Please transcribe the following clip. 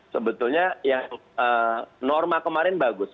sebetulnya yang norma kemarin bagus